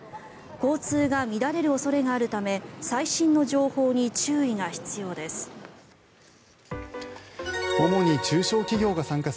交通が乱れる恐れがあるため最新の情報に注意が必要です。